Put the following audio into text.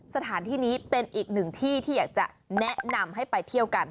สถานที่นี้เป็นอีกหนึ่งที่ที่อยากจะแนะนำให้ไปเที่ยวกัน